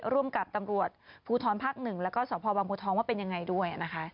ร่วมกับตำรวจภูทรภักดิ์๑แล้วก็สบภูทรว่าเป็นยังไงด้วยนะคะ